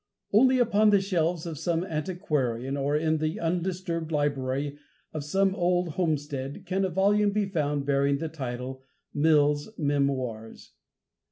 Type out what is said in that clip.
Only upon the shelves of some antiquarian, or in the undisturbed library of some old homestead can a volume be found bearing the title "Mills' Memoirs."